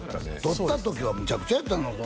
取った時はめちゃくちゃやったやろ？